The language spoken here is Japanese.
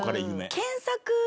検索